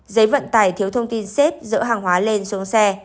giấy vận tải thiếu thông tin xếp dỡ hàng hóa lên xuống xe